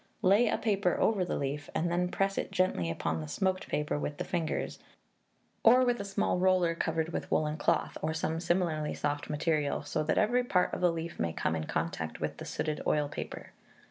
Lay a paper over the leaf, and then press it gently upon the smoked paper with the fingers, or with a small roller covered with woollen cloth, or some similarly soft material, so that every part of the leaf may come in contact with the sooted oil paper.